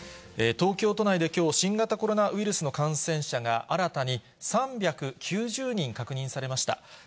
東京都内できょう、新型コロナウイルスの感染者が、新たに３９０人確認されました。